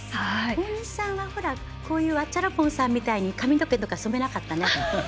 大西さんは、こういうワッチャラポンさんみたいに髪の毛とか染めなかったの？